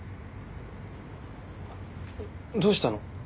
どうしたの？